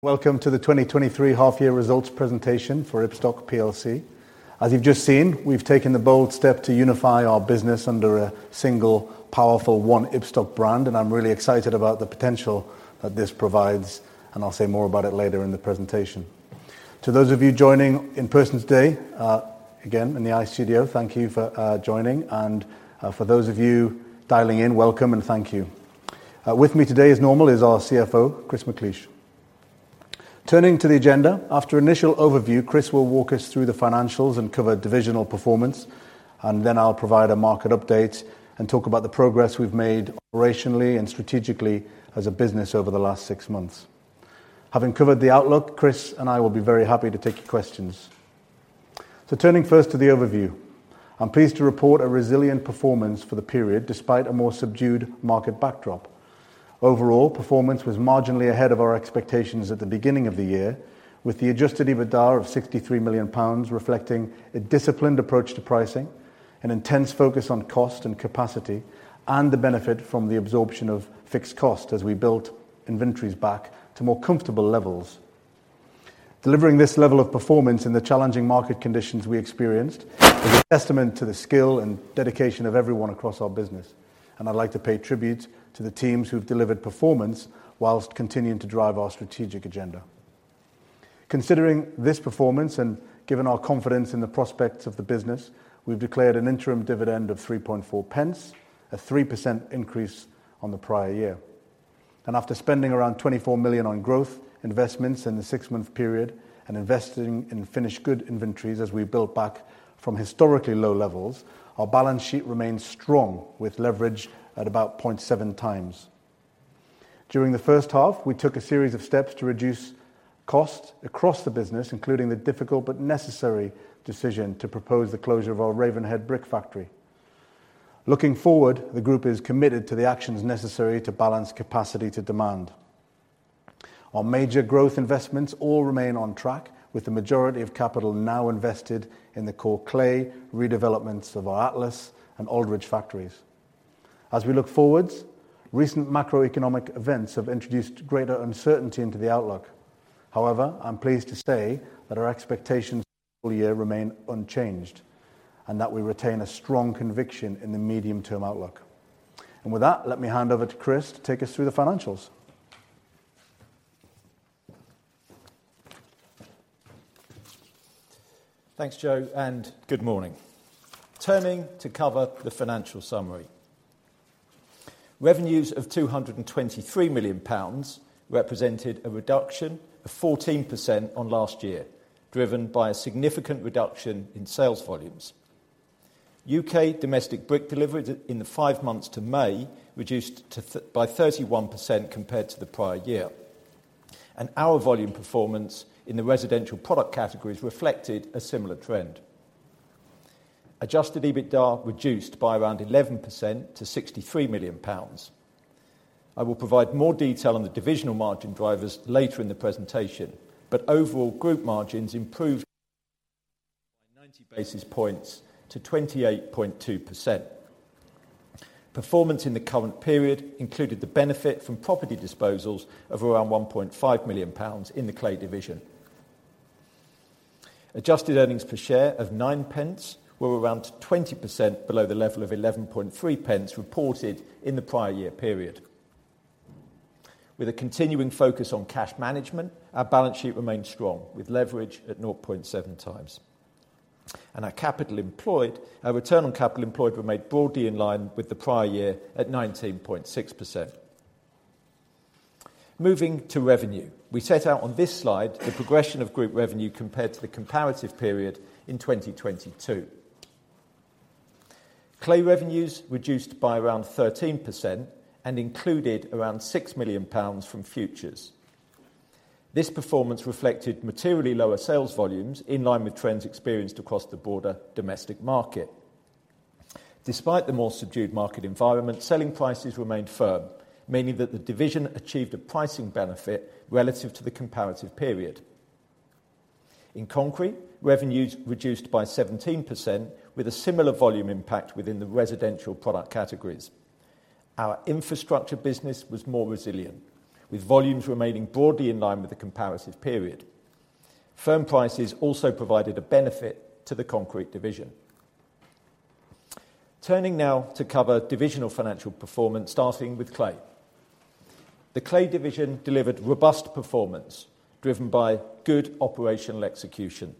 Welcome to the 2023 half year results presentation for Ibstock plc. As you've just seen, we've taken the bold step to unify our business under a single, powerful one Ibstock brand. I'm really excited about the potential that this provides. I'll say more about it later in the presentation. To those of you joining in person today, again, in the iStudio, thank you for joining. For those of you dialing in, welcome, and thank you. With me today as normal is our CFO, Chris McLeish. Turning to the agenda, after initial overview, Chris will walk us through the financials and cover divisional performance. Then I'll provide a market update and talk about the progress we've made operationally and strategically as a business over the last six months. Having covered the outlook, Chris and I will be very happy to take your questions. Turning first to the overview, I'm pleased to report a resilient performance for the period, despite a more subdued market backdrop. Overall, performance was marginally ahead of our expectations at the beginning of the year, with the adjusted EBITDA of 63 million pounds reflecting a disciplined approach to pricing, an intense focus on cost and capacity, and the benefit from the absorption of fixed cost as we built inventories back to more comfortable levels. Delivering this level of performance in the challenging market conditions we experienced is a testament to the skill and dedication of everyone across our business, and I'd like to pay tribute to the teams who've delivered performance while continuing to drive our strategic agenda. Considering this performance, given our confidence in the prospects of the business, we've declared an interim dividend of 3.4, a 3% increase on the prior year. After spending around 24 million on growth investments in the six-month period and investing in finished good inventories as we built back from historically low levels, our balance sheet remains strong, with leverage at about 0.7x. During the first half, we took a series of steps to reduce costs across the business, including the difficult but necessary decision to propose the closure of our Ravenhead brick factory. Looking forward, the group is committed to the actions necessary to balance capacity to demand. Our major growth investments all remain on track, with the majority of capital now invested in the core clay redevelopments of our Atlas and Aldridge factories. As we look forwards, recent macroeconomic events have introduced greater uncertainty into the outlook. However, I'm pleased to say that our expectations for the full year remain unchanged, and that we retain a strong conviction in the medium-term outlook. With that, let me hand over to Chris to take us through the financials. Thanks, Joe, and good morning. Turning to cover the financial summary. Revenues of 223 million pounds represented a reduction of 14% on last year, driven by a significant reduction in sales volumes. U.K. domestic brick deliveries in the five months to May reduced to by 31% compared to the prior year, and our volume performance in the residential product categories reflected a similar trend. Adjusted EBITDA reduced by around 11% to 63 million pounds. I will provide more detail on the divisional margin drivers later in the presentation, but overall group margins improved by 90 basis points to 28.2%. Performance in the current period included the benefit from property disposals of around 1.5 million pounds in the clay division. Adjusted earnings per share of 0.09 were around 20% below the level of 11.3 reported in the prior year period. With a continuing focus on cash management, our balance sheet remains strong, with leverage at 0.7x. Our capital employed, our Return on Capital Employed remained broadly in line with the prior year at 19.6%. Moving to revenue, we set out on this slide the progression of group revenue compared to the comparative period in 2022. Clay revenues reduced by around 13% and included around 6 million pounds from futures. This performance reflected materially lower sales volumes, in line with trends experienced across the broader domestic market. Despite the more subdued market environment, selling prices remained firm, meaning that the division achieved a pricing benefit relative to the comparative period. In concrete, revenues reduced by 17%, with a similar volume impact within the residential product categories. Our infrastructure business was more resilient, with volumes remaining broadly in line with the comparative period. Firm prices also provided a benefit to the concrete division. Turning now to cover divisional financial performance, starting with clay. The clay division delivered robust performance, driven by good operational execution.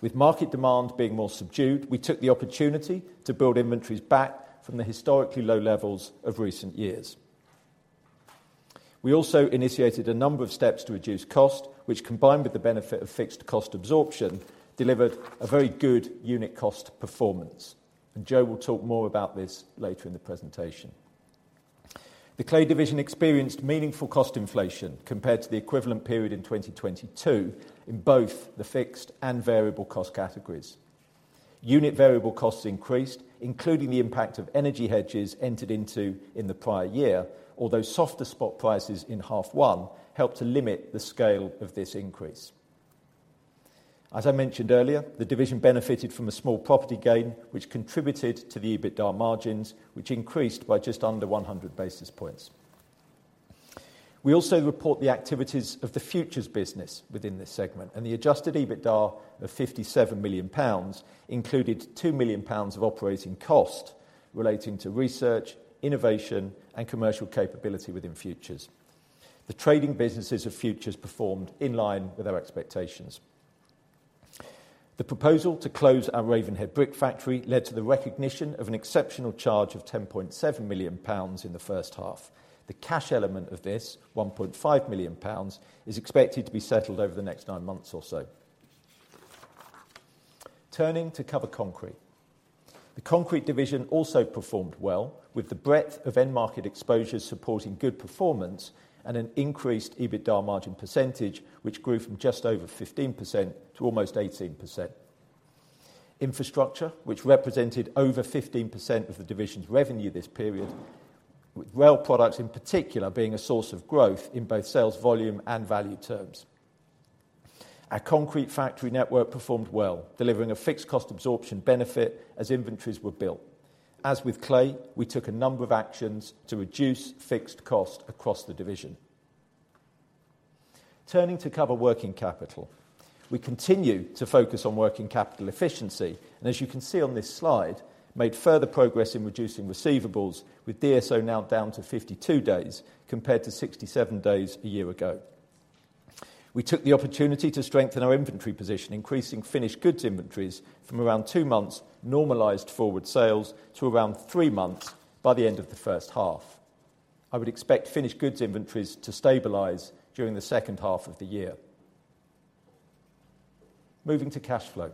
With market demand being more subdued, we took the opportunity to build inventories back from the historically low levels of recent years. We also initiated a number of steps to reduce cost, which, combined with the benefit of fixed cost absorption, delivered a very good unit cost performance, and Joe will talk more about this later in the presentation. The clay division experienced meaningful cost inflation compared to the equivalent period in 2022 in both the fixed and variable cost categories. Unit variable costs increased, including the impact of energy hedges entered into in the prior year, although softer spot prices in half one helped to limit the scale of this increase. As I mentioned earlier, the division benefited from a small property gain, which contributed to the EBITDA margins, which increased by just under 100 basis points. We also report the activities of the Futures business within this segment, and the adjusted EBITDA of 57 million pounds included 2 million pounds of operating cost relating to research, innovation, and commercial capability within Futures. The trading businesses of Futures performed in line with our expectations. The proposal to close our Ravenhead brick factory led to the recognition of an exceptional charge of 10.7 million pounds in the first half. The cash element of this, 1.5 million pounds, is expected to be settled over the next nine months or so. Turning to cover concrete. The concrete division also performed well with the breadth of end market exposure supporting good performance and an increased EBITDA margin percentage, which grew from just over 15% to almost 18%. Infrastructure, which represented over 15% of the division's revenue this period, with rail products in particular being a source of growth in both sales volume and value terms. Our concrete factory network performed well, delivering a fixed cost absorption benefit as inventories were built. As with clay, we took a number of actions to reduce fixed cost across the division. Turning to cover working capital. We continue to focus on working capital efficiency, and as you can see on this slide, made further progress in reducing receivables, with DSO now down to 52 days compared to 67 days a year ago. We took the opportunity to strengthen our inventory position, increasing finished goods inventories from around two months, normalized forward sales, to around three months by the end of the first half. I would expect finished goods inventories to stabilize during the second half of the year. Moving to cash flow.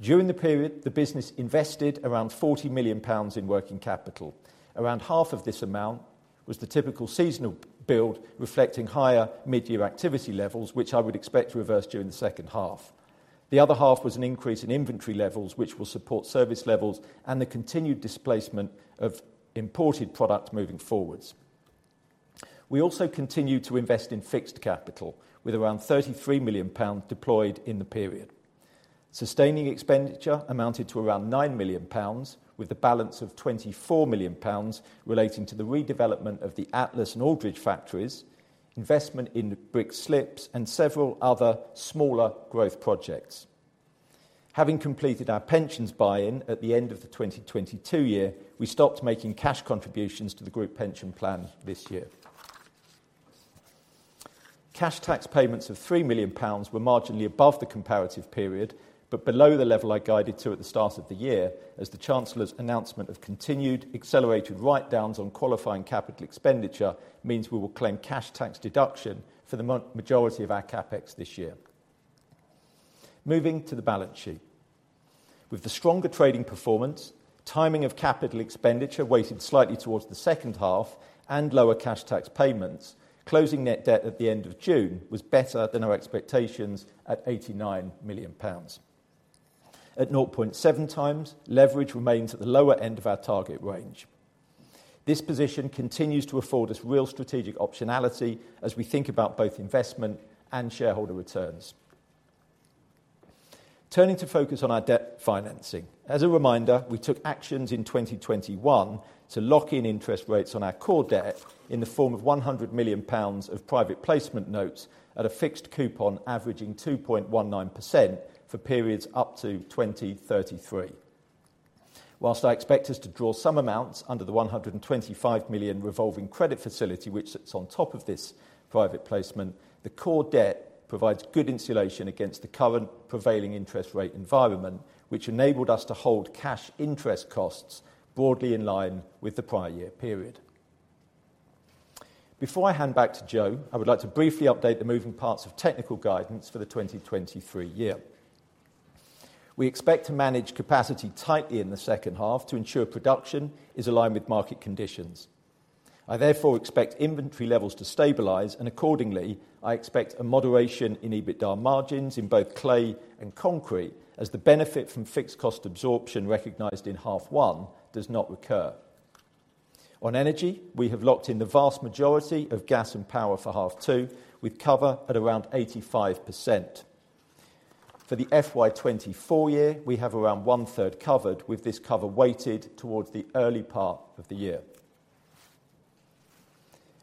During the period, the business invested around 40 million pounds in working capital. Around half of this amount was the typical seasonal build, reflecting higher mid-year activity levels, which I would expect to reverse during the second half. The other half was an increase in inventory levels, which will support service levels and the continued displacement of imported product moving forwards. We also continued to invest in fixed capital, with around 33 million pounds deployed in the period. Sustaining expenditure amounted to around 9 million pounds, with a balance of 24 million pounds relating to the redevelopment of the Atlas and Aldridge factories, investment in brick slips, and several other smaller growth projects. Having completed our pensions buy-in at the end of the 2022 year, we stopped making cash contributions to the group pension plan this year. Cash tax payments of 3 million pounds were marginally above the comparative period, but below the level I guided to at the start of the year, as the Chancellor's announcement of continued accelerated write-downs on qualifying capital expenditure means we will claim cash tax deduction for the majority of our CapEx this year. Moving to the balance sheet. With the stronger trading performance, timing of capital expenditure weighted slightly towards the second half and lower cash tax payments, closing net debt at the end of June was better than our expectations at 89 million pounds. At 0.7x, leverage remains at the lower end of our target range. This position continues to afford us real strategic optionality as we think about both investment and shareholder returns. Turning to focus on our debt financing. As a reminder, we took actions in 2021 to lock in interest rates on our core debt in the form of 100 million pounds of private placement notes at a fixed coupon, averaging 2.19% for periods up to 2033. Whilst I expect us to draw some amounts under the 125 million revolving credit facility, which sits on top of this private placement, the core debt provides good insulation against the current prevailing interest rate environment, which enabled us to hold cash interest costs broadly in line with the prior year period. Before I hand back to Joe, I would like to briefly update the moving parts of technical guidance for the 2023 year. We expect to manage capacity tightly in the second half to ensure production is aligned with market conditions. I therefore expect inventory levels to stabilize, accordingly, I expect a moderation in EBITDA margins in both clay and concrete, as the benefit from fixed cost absorption recognized in half one does not recur. On energy, we have locked in the vast majority of gas and power for half two, with cover at around 85%. For the FY 2024 year, we have around one-third covered, with this cover weighted towards the early part of the year.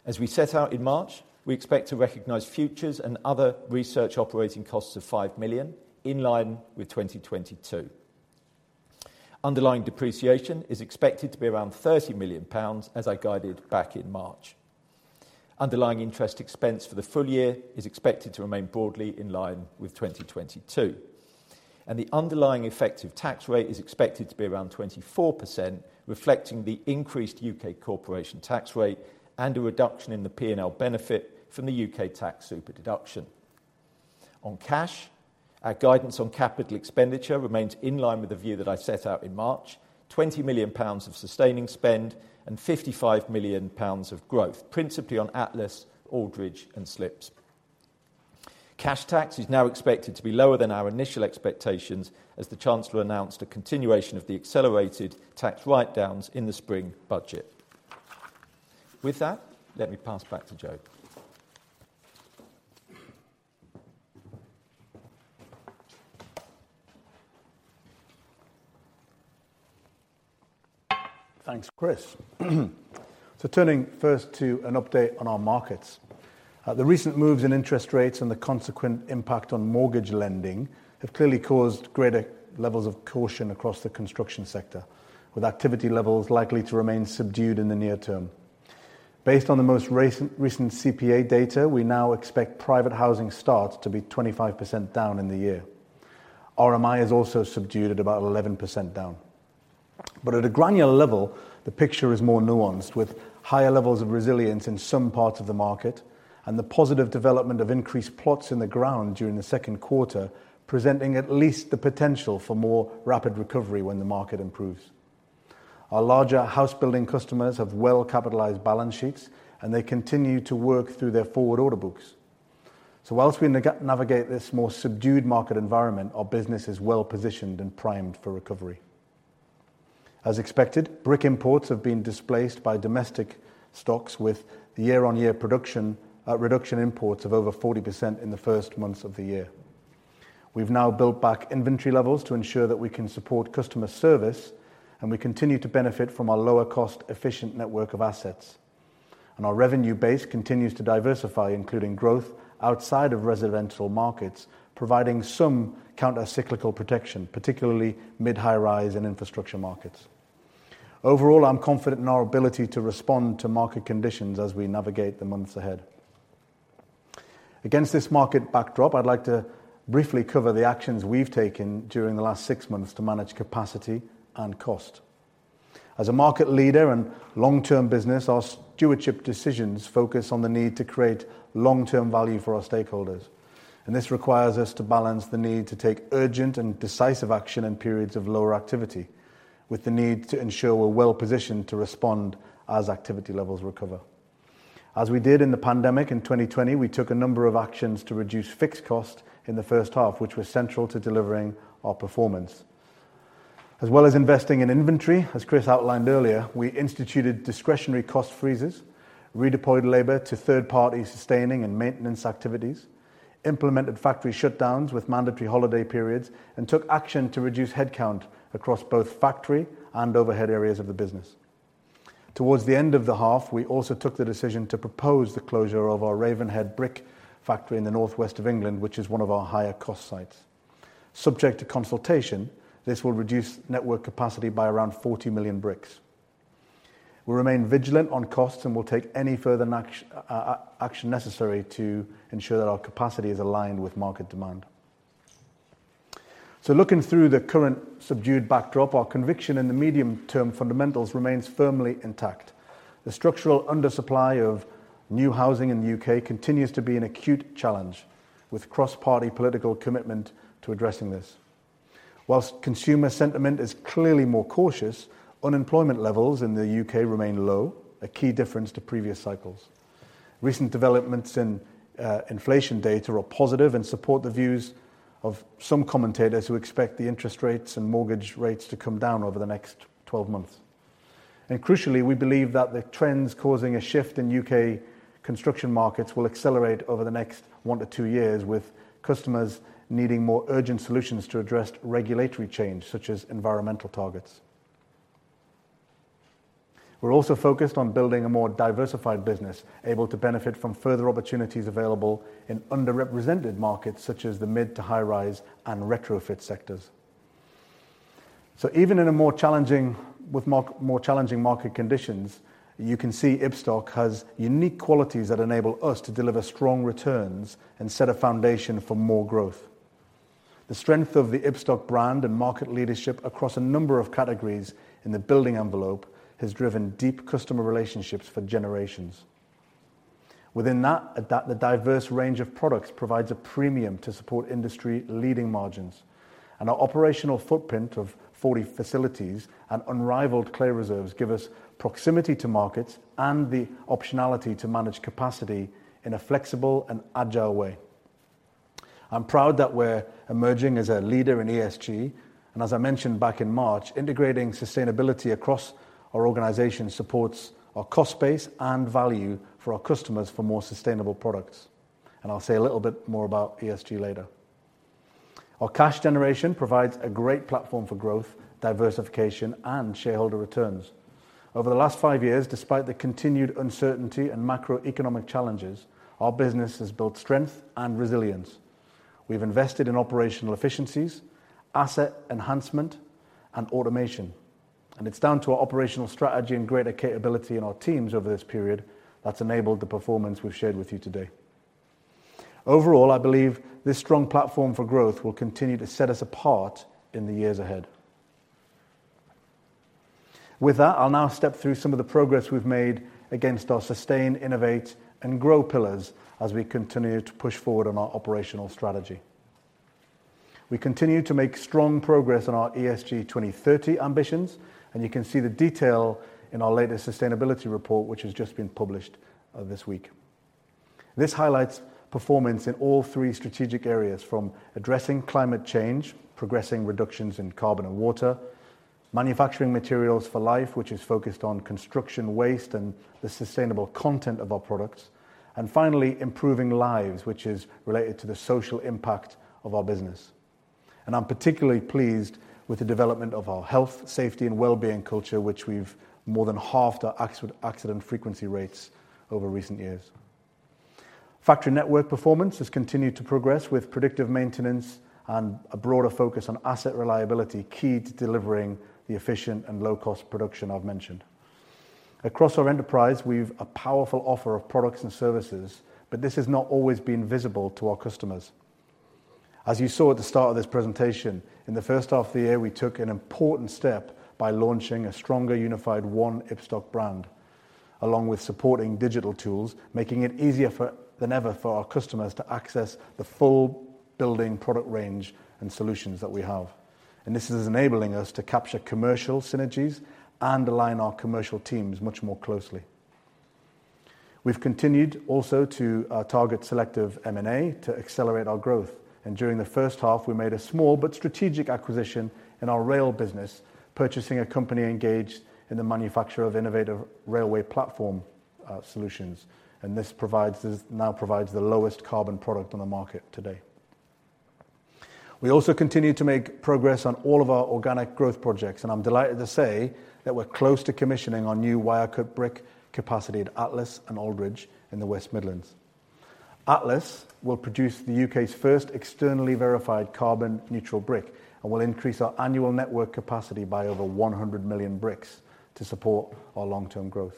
As we set out in March, we expect to recognize futures and other research operating costs of 5 million, in line with 2022. Underlying depreciation is expected to be around 30 million pounds, as I guided back in March. Underlying interest expense for the full year is expected to remain broadly in line with 2022, the underlying effective tax rate is expected to be around 24%, reflecting the increased U.K. corporation tax rate and a reduction in the P&L benefit from the U.K. tax super deduction. On cash, our guidance on capital expenditure remains in line with the view that I set out in March: 20 million pounds of sustaining spend and 55 million pounds of growth, principally on Atlas, Aldridge, and Slips. Cash tax is now expected to be lower than our initial expectations, as the Chancellor announced a continuation of the accelerated tax write-downs in the spring budget. With that, let me pass back to Joe. Thanks, Chris. Turning first to an update on our markets. The recent moves in interest rates and the consequent impact on mortgage lending have clearly caused greater levels of caution across the construction sector, with activity levels likely to remain subdued in the near term. Based on the most recent, recent CPA data, we now expect private housing starts to be 25% down in the year. RMI is also subdued at about 11% down. At a granular level, the picture is more nuanced, with higher levels of resilience in some parts of the market and the positive development of increased plots in the ground during the second quarter, presenting at least the potential for more rapid recovery when the market improves. Our larger house building customers have well-capitalized balance sheets, and they continue to work through their forward order books. Whilst we navigate this more subdued market environment, our business is well-positioned and primed for recovery. As expected, brick imports have been displaced by domestic stocks, with the year-on-year production reduction imports of over 40% in the first months of the year. We've now built back inventory levels to ensure that we can support customer service, we continue to benefit from our lower cost, efficient network of assets. Our revenue base continues to diversify, including growth outside of residential markets, providing some countercyclical protection, particularly mid- to high-rise in infrastructure markets. Overall, I'm confident in our ability to respond to market conditions as we navigate the months ahead. Against this market backdrop, I'd like to briefly cover the actions we've taken during the last six months to manage capacity and cost. As a market leader and long-term business, our stewardship decisions focus on the need to create long-term value for our stakeholders, and this requires us to balance the need to take urgent and decisive action in periods of lower activity, with the need to ensure we're well-positioned to respond as activity levels recover. As we did in the pandemic in 2020, we took a number of actions to reduce fixed cost in the first half, which was central to delivering our performance. As well as investing in inventory, as Chris outlined earlier, we instituted discretionary cost freezes, redeployed labor to third-party sustaining and maintenance activities, implemented factory shutdowns with mandatory holiday periods, and took action to reduce headcount across both factory and overhead areas of the business. Towards the end of the half, we also took the decision to propose the closure of our Ravenhead brick factory in the northwest of England, which is one of our higher cost sites. Subject to consultation, this will reduce network capacity by around 40 million bricks. We remain vigilant on costs, and we'll take any further action necessary to ensure that our capacity is aligned with market demand. Looking through the current subdued backdrop, our conviction in the medium-term fundamentals remains firmly intact. The structural undersupply of new housing in the U.K. continues to be an acute challenge, with cross-party political commitment to addressing this. Whilst consumer sentiment is clearly more cautious, unemployment levels in the U.K. remain low, a key difference to previous cycles. Recent developments in inflation data are positive and support the views of some commentators who expect the interest rates and mortgage rates to come down over the next 12 months. Crucially, we believe that the trends causing a shift in U.K. construction markets will accelerate over the next one to two years, with customers needing more urgent solutions to address regulatory change, such as environmental targets. We're also focused on building a more diversified business, able to benefit from further opportunities available in underrepresented markets such as the mid-to-high-rise and retrofit sectors. Even in more challenging market conditions, you can see Ibstock has unique qualities that enable us to deliver strong returns and set a foundation for more growth. The strength of the Ibstock brand and market leadership across a number of categories in the building envelope has driven deep customer relationships for generations. Within that, adapt the diverse range of products provides a premium to support industry-leading margins, and our operational footprint of 40 facilities and unrivaled clear reserves give us proximity to markets and the optionality to manage capacity in a flexible and agile way. I'm proud that we're emerging as a leader in ESG, and as I mentioned back in March, integrating sustainability across our organization supports our cost base and value for our customers for more sustainable products. I'll say a little bit more about ESG later. Our cash generation provides a great platform for growth, diversification, and shareholder returns. Over the last five years, despite the continued uncertainty and macroeconomic challenges, our business has built strength and resilience. We've invested in operational efficiencies, asset enhancement, and automation, and it's down to our operational strategy and greater capability in our teams over this period that's enabled the performance we've shared with you today. Overall, I believe this strong platform for growth will continue to set us apart in the years ahead. With that, I'll now step through some of the progress we've made against our sustain, innovate, and grow pillars as we continue to push forward on our operational strategy. We continue to make strong progress on our ESG 2030 ambitions, and you can see the detail in our latest sustainability report, which has just been published, this week. This highlights performance in all three strategic areas, from addressing climate change, progressing reductions in carbon and water, manufacturing materials for life, which is focused on construction waste and the sustainable content of our products, and finally, improving lives, which is related to the social impact of our business. I'm particularly pleased with the development of our health, safety, and well-being culture, which we've more than halved our accident frequency rates over recent years. Factory network performance has continued to progress with predictive maintenance and a broader focus on asset reliability, key to delivering the efficient and low-cost production I've mentioned. Across our enterprise, we've a powerful offer of products and services, but this has not always been visible to our customers. As you saw at the start of this presentation, in the first half of the year, we took an important step by launching a stronger, unified One Ibstock brand, along with supporting digital tools, making it easier than ever for our customers to access the full building product range and solutions that we have. This is enabling us to capture commercial synergies and align our commercial teams much more closely. We've continued also to target selective M&A to accelerate our growth, and during the first half, we made a small but strategic acquisition in our rail business, purchasing a company engaged in the manufacture of innovative railway platform solutions, and this now provides the lowest carbon product on the market today. We also continued to make progress on all of our organic growth projects. I'm delighted to say that we're close to commissioning our new wire-cut brick capacity at Atlas and Aldridge in the West Midlands. Atlas will produce the U.K.'s first externally verified carbon-neutral brick and will increase our annual network capacity by over 100 million bricks to support our long-term growth.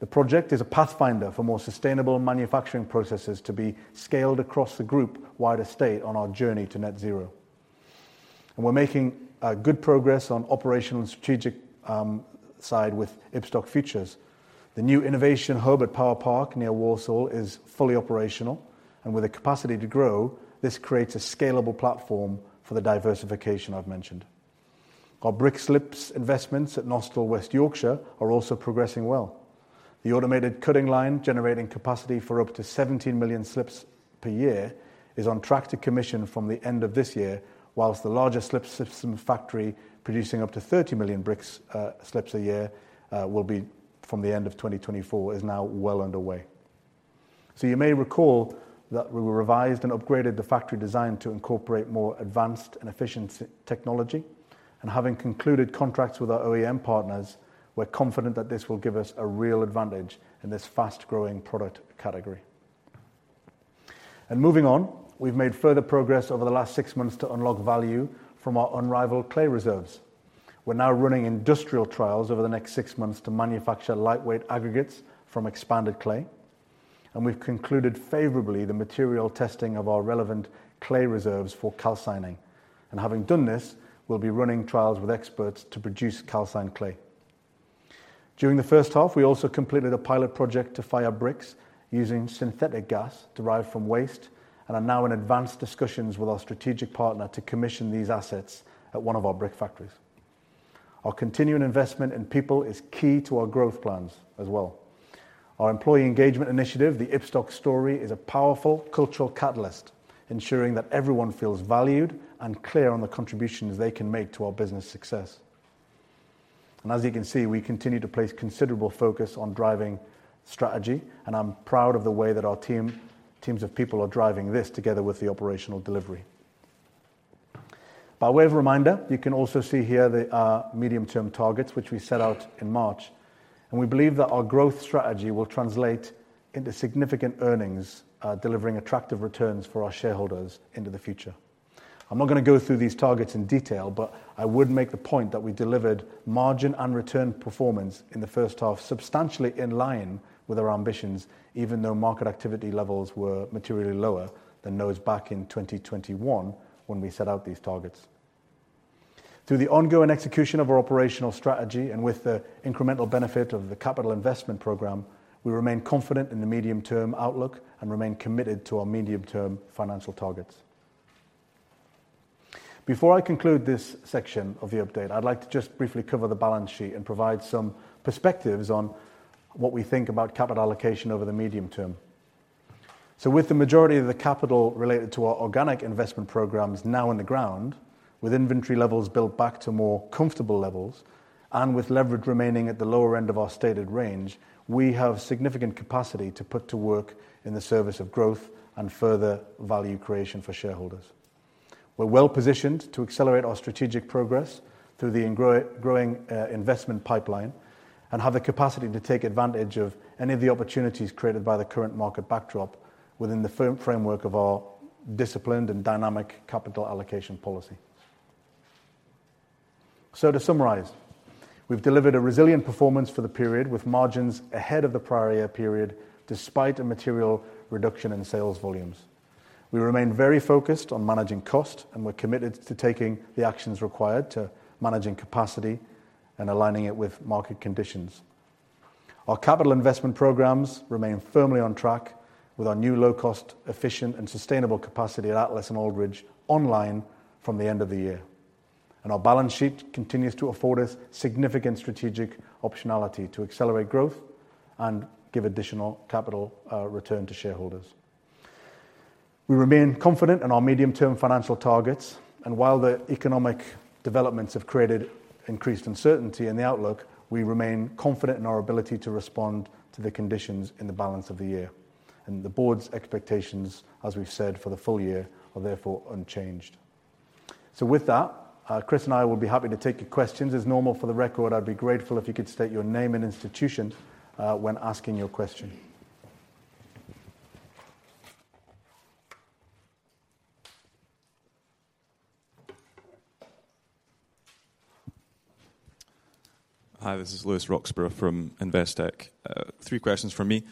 The project is a pathfinder for more sustainable manufacturing processes to be scaled across the group-wide estate on our journey to net zero. We're making good progress on operational and strategic side with Ibstock Futures. The new innovation hub at Power Park near Walsall is fully operational, and with a capacity to grow, this creates a scalable platform for the diversification I've mentioned. Our brick slips investments at Knaresborough, West Yorkshire, are also progressing well. The automated cutting line, generating capacity for up to 17 million slips per year, is on track to commission from the end of this year, whilst the larger slip system factory, producing up to 30 million bricks, slips a year, will be from the end of 2024, is now well underway. You may recall that we revised and upgraded the factory design to incorporate more advanced and efficient technology, having concluded contracts with our OEM partners, we're confident that this will give us a real advantage in this fast-growing product category. Moving on, we've made further progress over the last six months to unlock value from our unrivaled clay reserves. We're now running industrial trials over the next six months to manufacture lightweight aggregates from expanded clay, we've concluded favorably the material testing of our relevant clay reserves for calcining. Having done this, we'll be running trials with experts to produce calcined clay. During the first half, we also completed a pilot project to fire bricks using synthetic gas derived from waste, and are now in advanced discussions with our strategic partner to commission these assets at one of our brick factories. Our continuing investment in people is key to our growth plans as well. Our employee engagement initiative, The Ibstock Story, is a powerful cultural catalyst, ensuring that everyone feels valued and clear on the contributions they can make to our business success. As you can see, we continue to place considerable focus on driving strategy, and I'm proud of the way that our team, teams of people are driving this together with the operational delivery. By way of reminder, you can also see here the medium-term targets, which we set out in March, and we believe that our growth strategy will translate into significant earnings, delivering attractive returns for our shareholders into the future. I'm not going to go through these targets in detail, but I would make the point that we delivered margin and return performance in the first half, substantially in line with our ambitions, even though market activity levels were materially lower than those back in 2021 when we set out these targets. Through the ongoing execution of our operational strategy and with the incremental benefit of the capital investment program, we remain confident in the medium-term outlook and remain committed to our medium-term financial targets. Before I conclude this section of the update, I'd like to just briefly cover the balance sheet and provide some perspectives on what we think about capital allocation over the medium term. With the majority of the capital related to our organic investment programs now in the ground, with inventory levels built back to more comfortable levels, and with leverage remaining at the lower end of our stated range, we have significant capacity to put to work in the service of growth and further value creation for shareholders. We're well positioned to accelerate our strategic progress through the growing investment pipeline and have the capacity to take advantage of any of the opportunities created by the current market backdrop within the framework of our disciplined and dynamic capital allocation policy. To summarize, we've delivered a resilient performance for the period, with margins ahead of the prior year period, despite a material reduction in sales volumes. We remain very focused on managing cost, and we're committed to taking the actions required to managing capacity and aligning it with market conditions. Our capital investment programs remain firmly on track with our new low-cost, efficient, and sustainable capacity at Atlas and Aldridge online from the end of the year. Our balance sheet continues to afford us significant strategic optionality to accelerate growth and give additional capital return to shareholders. We remain confident in our medium-term financial targets, and while the economic developments have created increased uncertainty in the outlook, we remain confident in our ability to respond to the conditions in the balance of the year. The board's expectations, as we've said, for the full year, are therefore unchanged. With that, Chris and I will be happy to take your questions. As normal, for the record, I'd be grateful if you could state your name and institution when asking your question. Hi, this is Lewis Roxburgh from Investec. Three questions from me.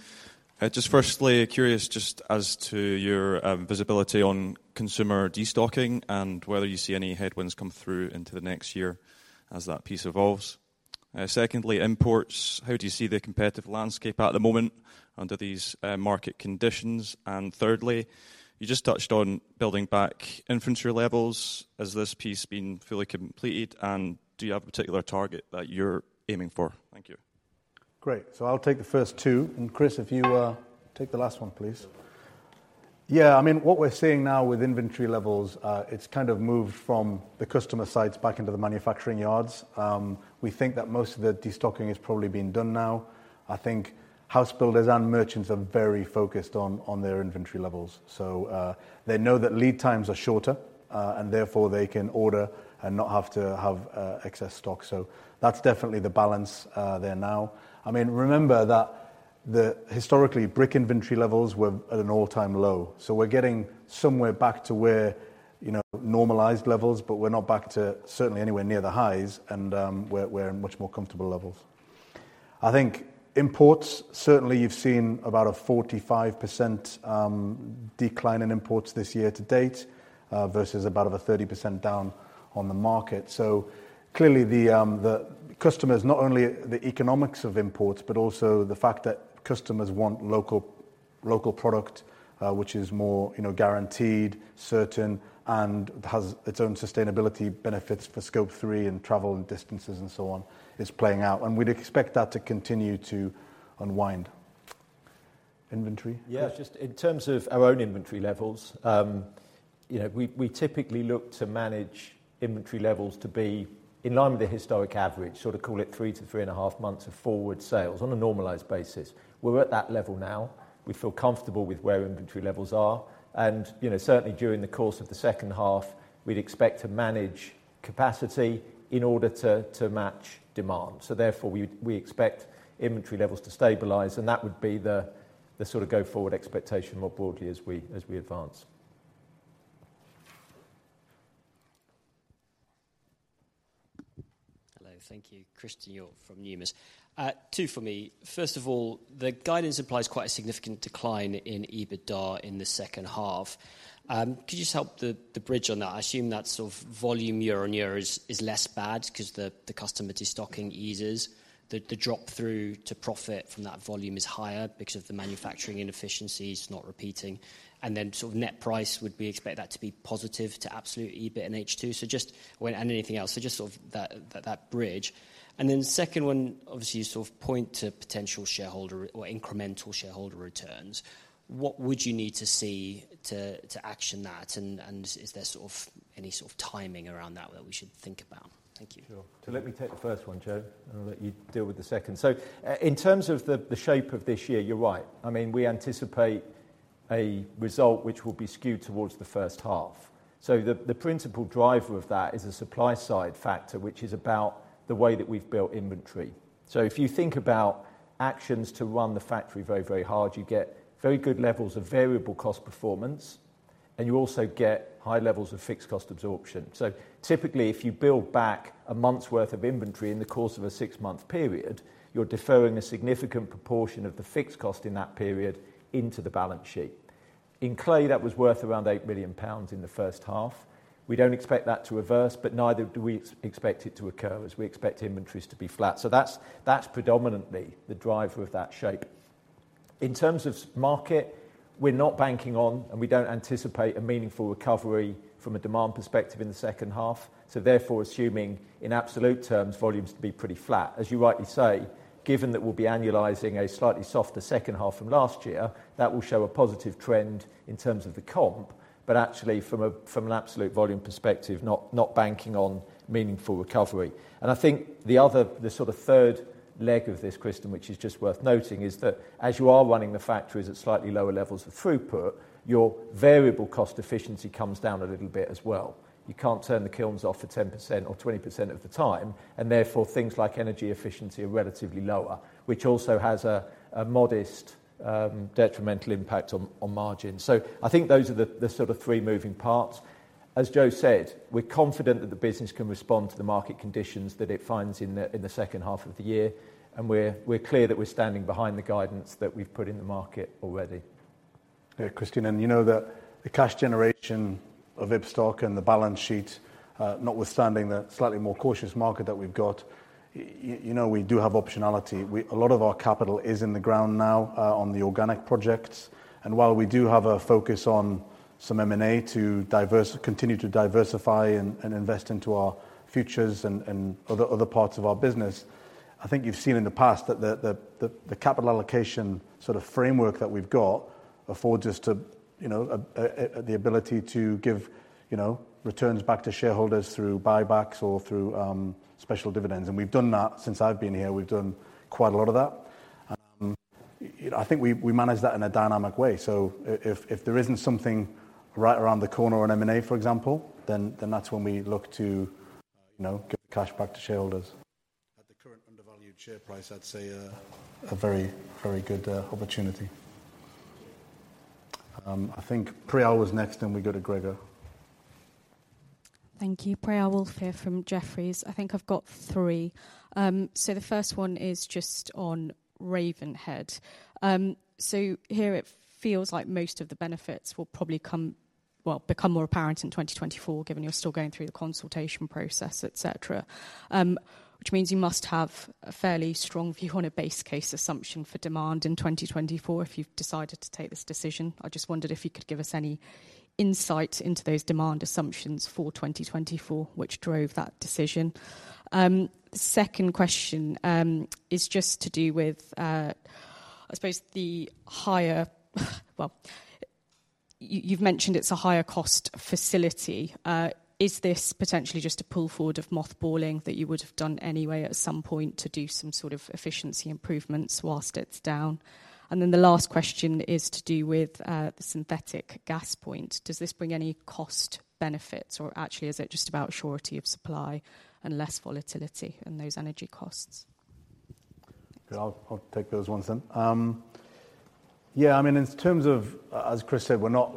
Just firstly, curious just as to your visibility on consumer destocking and whether you see any headwinds come through into the next year as that piece evolves. Secondly, imports. How do you see the competitive landscape at the moment under these market conditions? And thirdly, you just touched on building back inventory levels. Has this piece been fully completed, and do you have a particular target that you're aiming for? Thank you. Great. I'll take the first two, and, Chris, if you take the last one, please. I mean, what we're seeing now with inventory levels, it's kind of moved from the customer sites back into the manufacturing yards. We think that most of the destocking is probably being done now. I think house builders and merchants are very focused on, on their inventory levels. They know that lead times are shorter, and therefore, they can order and not have to have excess stock. That's definitely the balance there now. I mean, remember that the historically, brick inventory levels were at an all-time low, so we're getting somewhere back to where, you know, normalized levels, but we're not back to certainly anywhere near the highs, and, we're, we're in much more comfortable levels. I think imports, certainly you've seen about a 45% decline in imports this year-to-date versus about a 30% down on the market. Clearly, the customers, not only the economics of imports, but also the fact that customers want local, local product, which is more, you know, guaranteed, certain, and has its own sustainability benefits for Scope 3 and travel and distances and so on, is playing out, and we'd expect that to continue to unwind. Inventory? Yeah, just in terms of our own inventory levels, you know, we, we typically look to manage inventory levels to be in line with the historic average, sort of call it three to 3.5 months of forward sales on a normalized basis. We're at that level now. We feel comfortable with where inventory levels are, and, you know, certainly during the course of the second half, we'd expect to manage capacity in order to match demand. Therefore, we, we expect inventory levels to stabilize, and that would be the, the sort of go-forward expectation more broadly as we advance. Hello, thank you. Christian Maher from Numis. Two for me. First of all, the guidance applies quite a significant decline in EBITDA in the second half. Could you just help the, the bridge on that? I assume that sort of volume year-on-year is, is less bad because the, the customer destocking eases, the, the drop-through to profit from that volume is higher because of the manufacturing inefficiencies not repeating, and then sort of net price, would we expect that to be positive to absolute EBITDA in H2? Just when anything else, just sort of that, that, that bridge. Then the second one, obviously, you sort of point to potential shareholder or incremental shareholder returns. What would you need to see to, to action that, and, and is there sort of any sort of timing around that that we should think about? Thank you. Sure. Let me take the first one, Joe, and I'll let you deal with the second. In terms of the, the shape of this year, you're right. I mean, we anticipate a result which will be skewed towards the first half. The principal driver of that is a supply side factor, which is about the way that we've built inventory. If you think about actions to run the factory very, very hard, you get very good levels of variable cost performance, and you also get high levels of fixed cost absorption. Typically, if you build back a month's worth of inventory in the course of a six-month period, you're deferring a significant proportion of the fixed cost in that period into the balance sheet. In clay, that was worth around 8 million pounds in the first half. We don't expect that to reverse, but neither do we expect it to occur, as we expect inventories to be flat. That's, that's predominantly the driver of that shape. In terms of market, we're not banking on, and we don't anticipate a meaningful recovery from a demand perspective in the second half. Therefore, assuming, in absolute terms, volumes to be pretty flat. As you rightly say, given that we'll be annualizing a slightly softer second half from last year, that will show a positive trend in terms of the comp, but actually from a, from an absolute volume perspective, not, not banking on meaningful recovery. I think the other, the sort of third leg of this, Christian, which is just worth noting, is that as you are running the factories at slightly lower levels of throughput, your variable cost efficiency comes down a little bit as well. You can't turn the kilns off for 10% or 20% of the time, and therefore, things like energy efficiency are relatively lower, which also has a modest detrimental impact on margins. I think those are the sort of three moving parts. As Joe said, we're confident that the business can respond to the market conditions that it finds in the second half of the year, and we're clear that we're standing behind the guidance that we've put in the market already. Yeah, Christian, and you know that the cash generation of Ibstock and the balance sheet, notwithstanding the slightly more cautious market that we've got, you know, we do have optionality. A lot of our capital is in the ground now, on the organic projects, and while we do have a focus on some M&A to diverse, continue to diversify and, and invest into our Futures and, and other, other parts of our business. I think you've seen in the past that the capital allocation sort of framework that we've got affords us to, the ability to returns back to shareholders through buybacks or through special dividends, and we've done that since I've been here. We've done quite a lot of that. I think we, we manage that in a dynamic way. If there isn't something right around the corner, an M&A, for example, then, then that's when we look to, you know, give the cash back to shareholders. At the current undervalued share price, I'd say, a very, very good opportunity. I think Priyal was next, then we go to Gregor. Thank you. Priyal Woolf here from Jefferies. I think I've got three. So the first one is just on Ravenhead. So here it feels like most of the benefits will probably come, well, become more apparent in 2024, given you're still going through the consultation process, et cetera. Which means you must have a fairly strong view on a base case assumption for demand in 2024 if you've decided to take this decision. I just wondered if you could give us any insight into those demand assumptions for 2024, which drove that decision. Second question, is just to do with, I suppose the higher... Well, you've mentioned it's a higher cost facility. Is this potentially just a pull forward of mothballing that you would have done anyway at some point to do some sort of efficiency improvements whilst it's down? The last question is to do with the synthetic gas point. Does this bring any cost benefits, or actually, is it just about surety of supply and less volatility in those energy costs? I'll take those ones then. Yeah, I mean, in terms of, as Chris said, we're not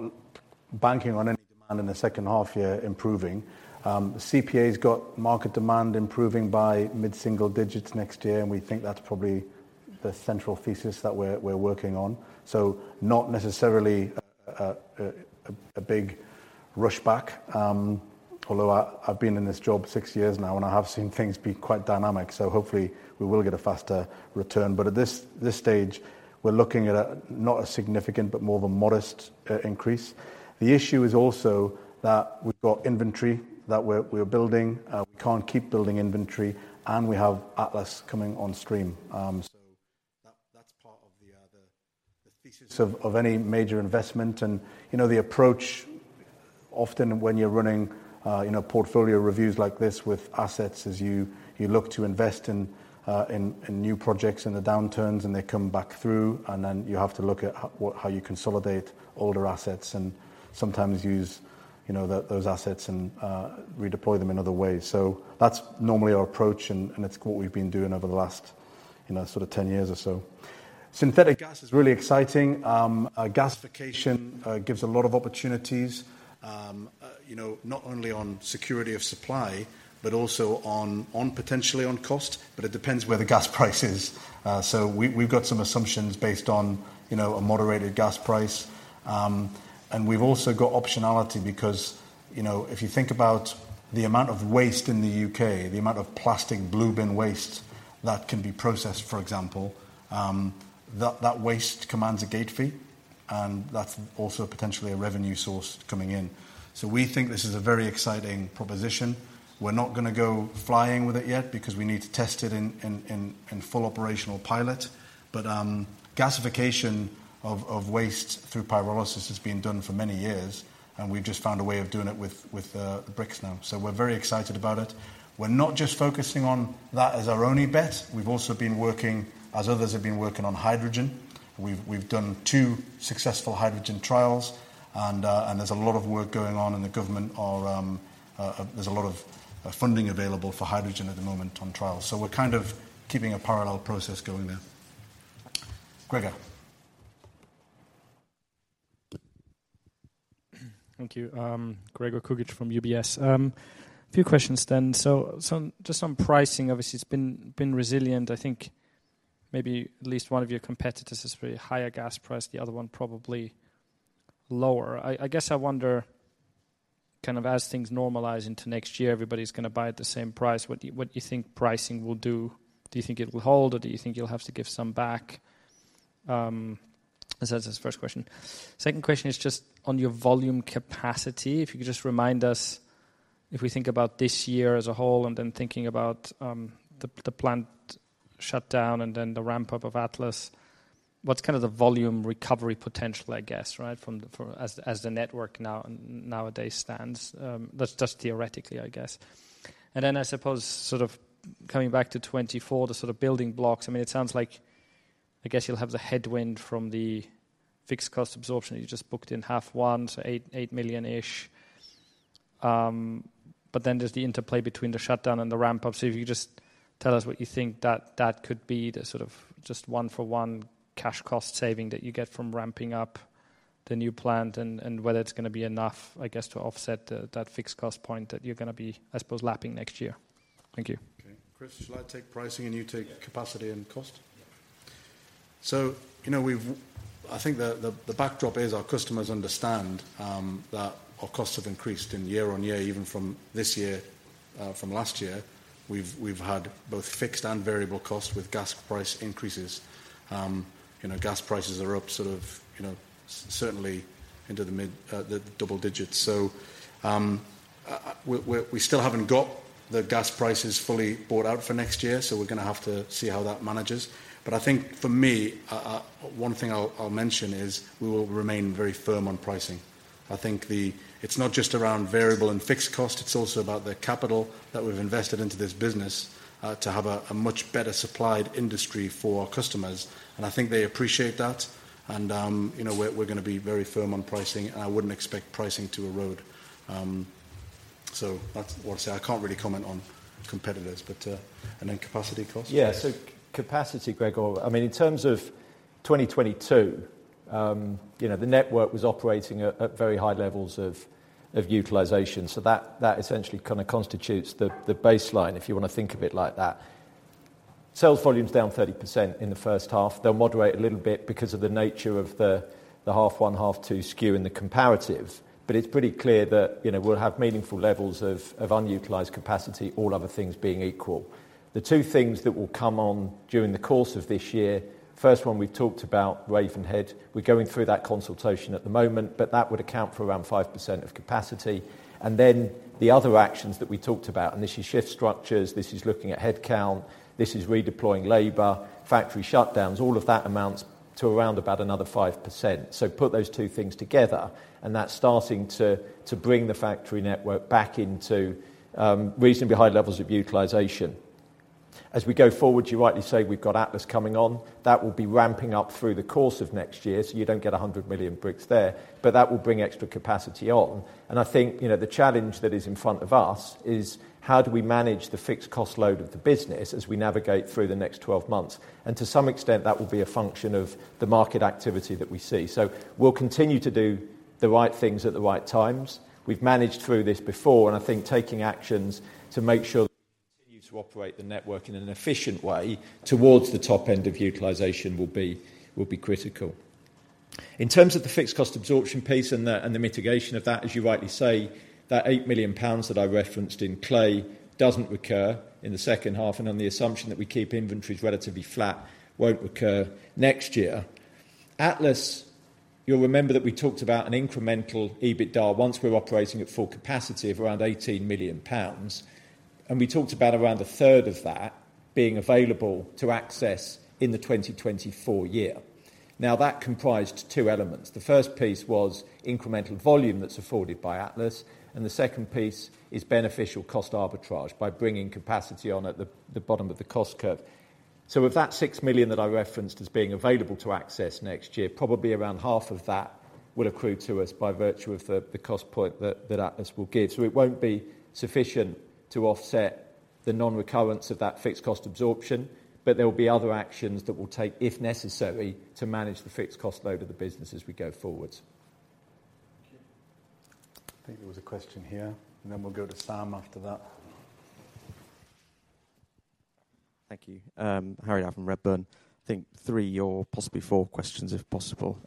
banking on any demand in the second half year improving. CPA's got market demand improving by mid-single digits next year, and we think that's probably the central thesis that we're, we're working on. Not necessarily a big rush back, although I, I've been in this job six years now, and I have seen things be quite dynamic, so hopefully we will get a faster return. At this stage, we're looking at a, not a significant, but more of a modest increase. The issue is also that we've got inventory that we're, we're building, we can't keep building inventory, and we have Atlas coming on stream. That, that's part of the, the, the thesis of, of any major investment. You know, the approach often when you're running, you know, portfolio reviews like this with assets is you look to invest in, in new projects in the downturns, and they come back through, and then you have to look at how you consolidate older assets and sometimes use, you know, those assets and redeploy them in other ways. That's normally our approach, and, and it's what we've been doing over the last, you know, sort of 10 years or so. Synthetic gas is really exciting. Gasification gives a lot of opportunities, you know, not only on security of supply, but also on, on potentially on cost, but it depends where the gas price is. We've got some assumptions based on, you know, a moderated gas price. We've also got optionality because, you know, if you think about the amount of waste in the U.K., the amount of plastic blue bin waste that can be processed, for example, that, that waste commands a gate fee, and that's also potentially a revenue source coming in. We think this is a very exciting proposition. We're not gonna go flying with it yet because we need to test it in full operational pilot. Gasification of, of waste through pyrolysis has been done for many years, and we've just found a way of doing it with, with bricks now. We're very excited about it. We're not just focusing on that as our only bet. We've also been working, as others have been working, on hydrogen. We've done two successful hydrogen trials, and there's a lot of work going on in the government or there's a lot of funding available for hydrogen at the moment on trials. We're kind of keeping a parallel process going there. Gregor? Thank you. Gregor Kuglitsch from UBS. A few questions then. Some, just on pricing, obviously, it's been, been resilient. I think maybe at least one of your competitors is very higher gas price, the other one probably lower. I, I guess I wonder, kind of as things normalize into next year, everybody's gonna buy at the same price. What do you, what do you think pricing will do? Do you think it will hold, or do you think you'll have to give some back? That's the first question. Second question is just on your volume capacity. If you could just remind us, if we think about this year as a whole and then thinking about the, the plant shutdown and then the ramp-up of Atlas, what's kind of the volume recovery potential, I guess, right, from the, for as the network nowadays stands? That's just theoretically, I guess. I suppose sort of coming back to 2024, the sort of building blocks, I mean, it sounds like, I guess you'll have the headwind from the fixed cost absorption. You just booked in half one, so 8 million-ish. There's the interplay between the shutdown and the ramp-up. If you could just tell us what you think that that could be, the sort of just 1-for-1 cash cost saving that you get from ramping up the new plant and whether it's gonna be enough, I guess, to offset that fixed cost point that you're gonna be, I suppose, lapping next year. Thank you. Okay. Chris, should I take pricing and you take capacity and cost? Yeah. We've I think the, the, the backdrop is our customers understand that our costs have increased in year-on-year, even from this year from last year, we've, we've had both fixed and variable costs with gas price increases. You know, gas prices are up sort of, you know, certainly into the mid, the double-digits. We're, we're we still haven't got the gas prices fully bought out for next year, so we're gonna have to see how that manages. I think, for me, one thing I'll, I'll mention is, we will remain very firm on pricing. I think the it's not just around variable and fixed cost, it's also about the capital that we've invested into this business, to have a, a much better supplied industry for our customers, and I think they appreciate that. You know, we're, we're gonna be very firm on pricing, and I wouldn't expect pricing to erode. That's what I say. I can't really comment on competitors, but. Then capacity costs? Yeah, so capacity, Gregor, I mean, in terms of 2022, you know, the network was operating at, at very high levels of, of utilization, so that, that essentially kind of constitutes the, the baseline, if you want to think of it like that. Sales volume's down 30% in the first half. They'll moderate a little bit because of the nature of the, the half one, half two skew in the comparative, but it's pretty clear that, you know, we'll have meaningful levels of, of unutilized capacity, all other things being equal. The two things that will come on during the course of this year, first one we've talked about, Ravenhead. We're going through that consultation at the moment, but that would account for around 5% of capacity. Then the other actions that we talked about, this is shift structures, this is looking at headcount, this is redeploying labor, factory shutdowns, all of that amounts to around 5%. Put those two things together, that's starting to bring the factory network back into reasonably high levels of utilization. As we go forward, you rightly say we've got Atlas coming on. That will be ramping up through the course of next year, so you don't get 100 million bricks there, but that will bring extra capacity on. I think, you know, the challenge that is in front of us is: how do we manage the fixed cost load of the business as we navigate through the next 12 months? To some extent, that will be a function of the market activity that we see. We'll continue to do the right things at the right times. We've managed through this before, and I think taking actions to make sure that we continue to operate the network in an efficient way towards the top end of utilization will be, will be critical. In terms of the fixed cost absorption piece and the, and the mitigation of that, as you rightly say, that 8 million pounds that I referenced in clay doesn't recur in the second half, and on the assumption that we keep inventories relatively flat, won't recur next year. Atlas, you'll remember that we talked about an incremental EBITDA once we're operating at full capacity of around 18 million pounds, and we talked about around a third of that being available to access in the 2024 year. Now, that comprised two elements. The first piece was incremental volume that's afforded by Atlas, and the second piece is beneficial cost arbitrage by bringing capacity on at the, the bottom of the cost curve. Of that 6 million that I referenced as being available to access next year, probably around 0.5 of that will accrue to us by virtue of the, the cost point that, that Atlas will give. It won't be sufficient to offset the non-recurrence of that fixed cost absorption. There will be other actions that we'll take, if necessary, to manage the fixed cost load of the business as we go forward. Thank you. I think there was a question here, and then we'll go to Sam after that. Thank you. Harry [from] Redburn. I think three or possibly four questions, if possible.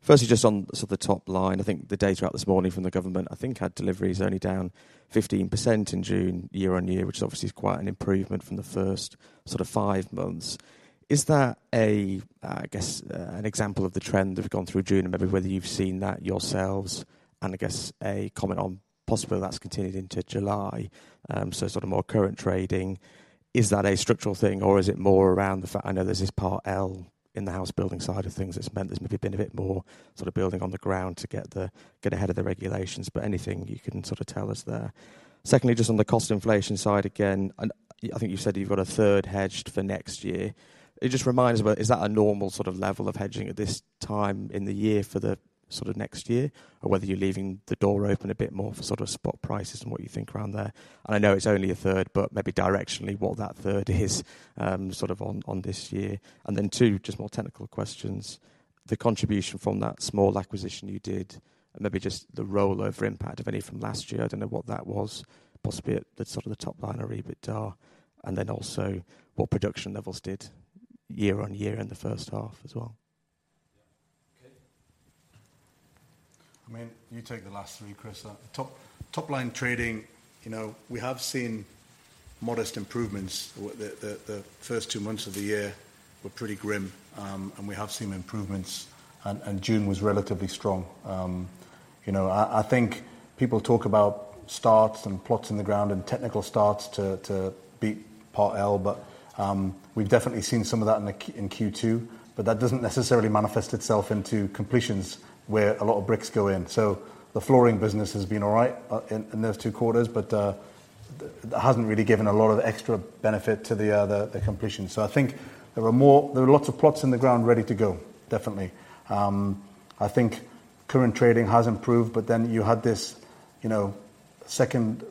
Firstly, just on sort of the top line, I think the data out this morning from the government, I think, had deliveries only down 15% in June, year-on-year, which obviously is quite an improvement from the first sort of five months. Is that, I guess, an example of the trend we've gone through June, and maybe whether you've seen that yourselves, and I guess a comment on possibly that's continued into July? Sort of more current trading, is that a structural thing or is it more around the fact. I know there's this Part L in the house building side of things that's meant there's maybe been a bit more sort of building on the ground to get ahead of the regulations, but anything you can sort of tell us there? Secondly, just on the cost inflation side again, and I think you said you've got a third hedged for next year. It just reminds me, but is that a normal sort of level of hedging at this time in the year for the sort of next year, or whether you're leaving the door open a bit more for sort of spot prices and what you think around there? I know it's only a third, but maybe directionally, what that third is sort of on, on this year. Then two, just more technical questions: the contribution from that small acquisition you did, and maybe just the rollover impact, if any, from last year. I don't know what that was. Possibly at the sort of the top line or EBITDA, and then also what production levels did year-on-year in the first half as well. Yeah. Okay. I mean, you take the last three, Chris. Top line trading, you know, we have seen modest improvements. The, the, the first two months of the year were pretty grim, and we have seen improvements, and, June was relatively strong. you know, I, I think people talk about starts and plots in the ground and technical starts to, to beat Part L, but, we've definitely seen some of that in Q2, but that doesn't necessarily manifest itself into completions where a lot of bricks go in. The flooring business has been all right, in, in those two quarters, but, that hasn't really given a lot of extra benefit to the, the, the completion. I think there were more. There were lots of plots in the ground ready to go, definitely. I think current trading has improved, but then you had this, you know, second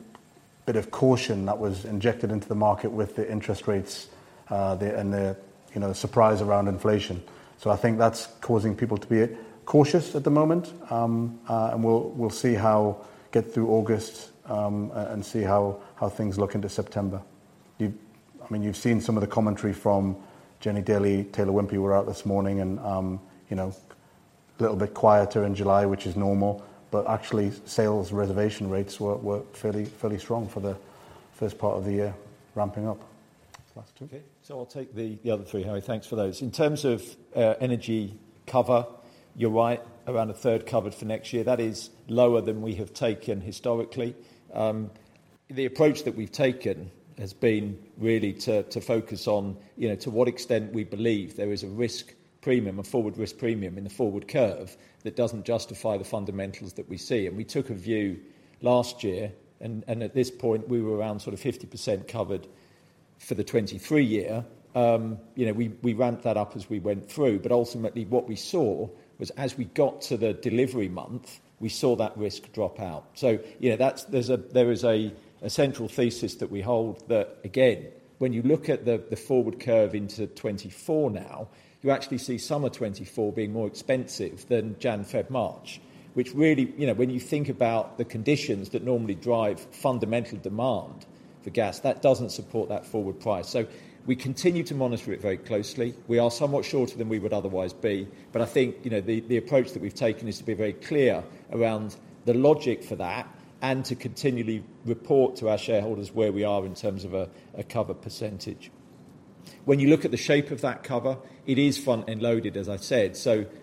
bit of caution that was injected into the market with the interest rates and the, you know, surprise around inflation. I think that's causing people to be cautious at the moment, and we'll, we'll see how get through August and see how, how things look into September. You've, I mean, you've seen some of the commentary from Jennie Daly, Taylor Wimpey were out this morning, and, you know, a little bit quieter in July, which is normal, but actually, sales reservation rates were, were fairly, fairly strong for the first part of the year, ramping up. Last two? Okay, I'll take the, the other three, Harry. Thanks for those. In terms of energy cover, you're right, around a third covered for next year. That is lower than we have taken historically. The approach that we've taken has been really to, to focus on, you know, to what extent we believe there is a risk premium, a forward risk premium in the forward curve that doesn't justify the fundamentals that we see. We took a view last year, and, and at this point, we were around sort of 50% covered for the 2023 year. You know, we, we ramped that up as we went through, but ultimately, what we saw was, as we got to the delivery month, we saw that risk drop out. you know, that's there is a, a central thesis that we hold that, again, when you look at the, the forward curve into 2024 now, you actually see summer 2024 being more expensive than January, February, March, which really, you know, when you think about the conditions that normally drive fundamental demand for gas, that doesn't support that forward price. We continue to monitor it very closely. We are somewhat shorter than we would otherwise be, but I think, you know, the, the approach that we've taken is to be very clear around the logic for that and to continually report to our shareholders where we are in terms of a cover percentage. When you look at the shape of that cover, it is front-end loaded, as I said.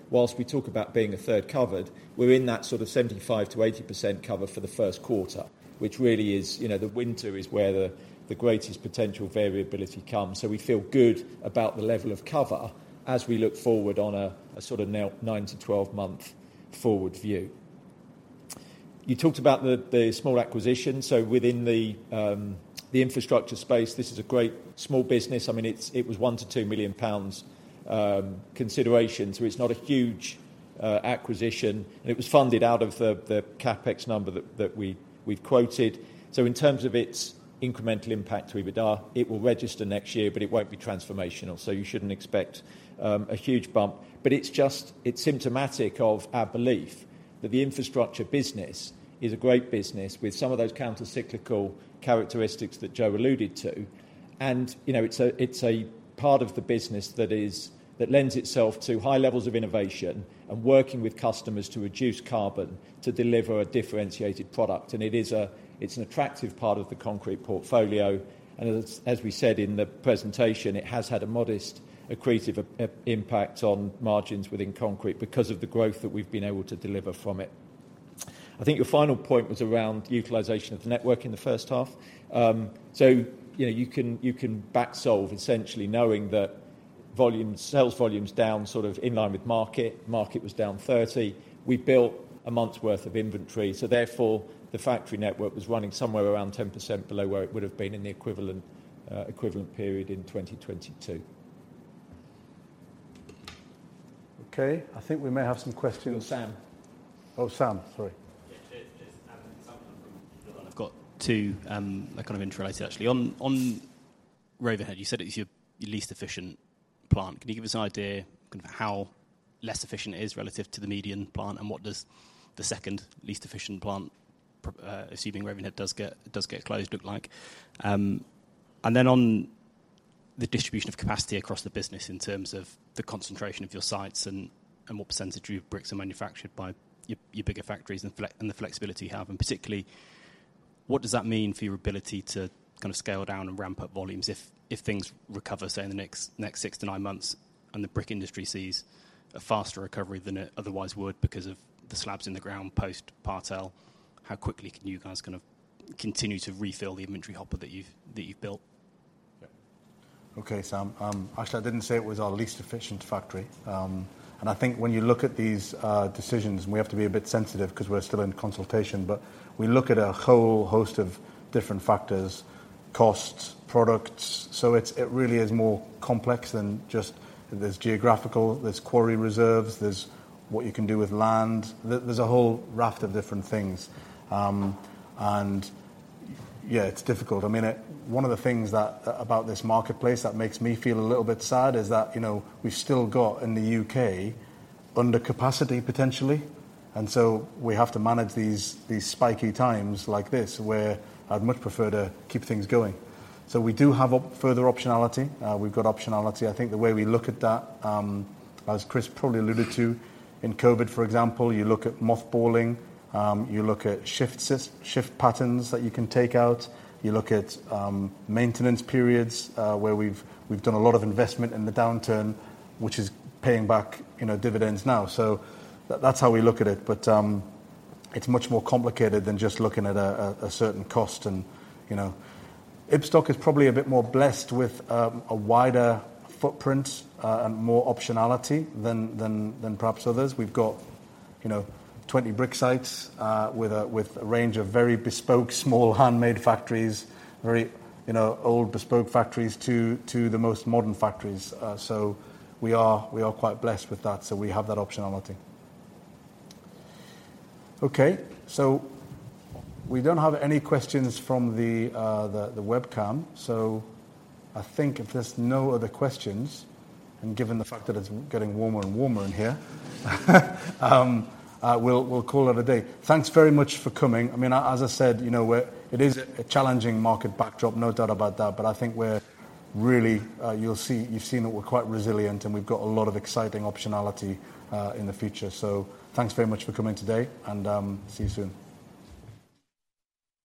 Whilst we talk about being a third covered, we're in that sort of 75%-80% cover for the first quarter, which really is, you know, the winter is where the, the greatest potential variability comes. We feel good about the level of cover as we look forward on a, a sort of nine to 12-month forward view. You talked about the, the small acquisition, so within the infrastructure space, this is a great small business. I mean, it's, it was 1 million-2 million pounds consideration, so it's not a huge acquisition, and it was funded out of the, the CapEx number that, that we, we've quoted. In terms of its incremental impact to EBITDA, it will register next year, but it won't be transformational, so you shouldn't expect a huge bump. It's just, it's symptomatic of our belief that the infrastructure business is a great business with some of those countercyclical characteristics that Joe alluded to. You know, it's a, it's a part of the business that lends itself to high levels of innovation and working with customers to reduce carbon to deliver a differentiated product. It is a, it's an attractive part of the concrete portfolio, and as, as we said in the presentation, it has had a modest accretive impact on margins within concrete because of the growth that we've been able to deliver from it. I think your final point was around utilization of the network in the first half. You know, you can, you can back solve, essentially, knowing that volume, sales volume's down sort of in line with market. Market was down 30%. We built a month's worth of inventory, so therefore, the factory network was running somewhere around 10% below where it would've been in the equivalent, equivalent period in 2022. Okay, I think we may have some questions. Sam. Oh, Sam, sorry. Yeah, just, I've got two that are kind of interrelated, actually. On, on Ravenhead, you said it's your, your least efficient plant. Can you give us an idea of how less efficient it is relative to the median plant, and what does the second least efficient plant, assuming Ravenhead does get, does get closed, look like? Then on the distribution of capacity across the business in terms of the concentration of your sites and, what percentage of your bricks are manufactured by your, your bigger factories and the flexibility you have, and particularly, what does that mean for your ability to kind of scale down and ramp up volumes if, if things recover, say, in the next, next six to nine months, and the brick industry sees a faster recovery than it otherwise would because of the slabs in the ground post-Part L? How quickly can you guys kind of continue to refill the inventory hopper that you've, that you've built? Okay, Sam. Actually, I didn't say it was our least efficient factory. I think when you look at these decisions, and we have to be a bit sensitive 'cause we're still in consultation, but we look at a whole host of different factors: costs, products. It's, it really is more complex than just. There's geographical, there's quarry reserves, there's what you can do with land. There's a whole raft of different things. Yeah, it's difficult. I mean, one of the things that about this marketplace that makes me feel a little bit sad is that, you know, we've still got in the U.K. under capacity, potentially, and so we have to manage these, these spiky times like this, where I'd much prefer to keep things going. We do have up further optionality. We've got optionality. I think the way we look at that, as Chris probably alluded to, in COVID, for example, you look at mothballing, you look at shift shift patterns that you can take out, you look at maintenance periods, where we've, we've done a lot of investment in the downturn, which is paying back, you know, dividends now. That's how we look at it, but it's much more complicated than just looking at a certain cost. You know, Ibstock is probably a bit more blessed with a wider footprint, and more optionality than, than, than perhaps others. We've got, you know, 20 brick sites, with a, with a range of very bespoke, small, handmade factories, very, you know, old, bespoke factories, to the most modern factories. We are, we are quite blessed with that, so we have that optionality. Okay, we don't have any questions from the, the, the webcam, so I think if there's no other questions, and given the fact that it's getting warmer and warmer in here, we'll, we'll call it a day. Thanks very much for coming. I mean, as I said, you know what, it is a, a challenging market backdrop, no doubt about that, but I think we're really, you've seen that we're quite resilient, and we've got a lot of exciting optionality in the future. Thanks very much for coming today, and, see you soon.